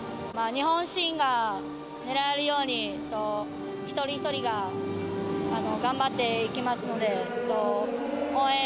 日本新が狙えるように一人一人が頑張っていきますので応援